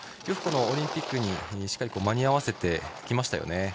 よくオリンピックにしっかり間に合わせてきましたね。